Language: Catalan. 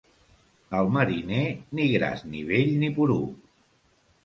El mariner, ni gras ni vell ni poruc.